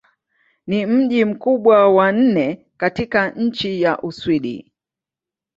Ni mji mkubwa wa nne katika nchi wa Uswidi.